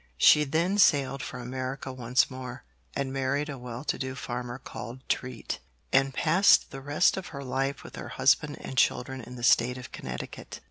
She then sailed for America once more, and married a well to do farmer called Treat, and passed the rest of her life with her husband and children in the State of Connecticut.